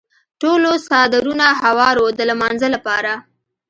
ټولو څادرونه هوار وو د لمانځه لپاره.